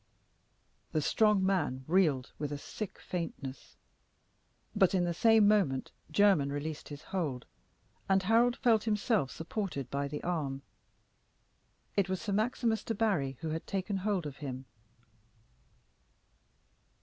The strong man reeled with a sick faintness. But in the same moment Jermyn released his hold, and Harold felt himself supported by the arm. It was Sir Maximus Debarry who had taken hold of him.